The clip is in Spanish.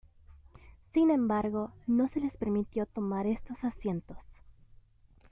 Sin embargo, no se les permitió tomar estos asientos.